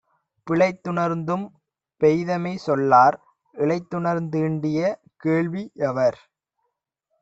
பிழைத்துணர்ந்தும் பேதைமை சொல்லார் இழைத்துணர்ந்தீண்டிய கேள்வி யவர்.